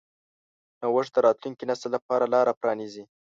نوښت د راتلونکي نسل لپاره لاره پرانیځي.